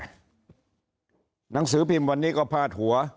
หนังสือพิมพ์วันนี้ก็พาดหัว